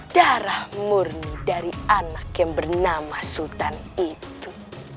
darah murni dari anak yang bernama sultan itu